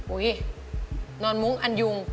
อุ๊ยนอนมุ้งอันยุง